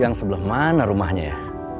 yang sebelah mana rumahnya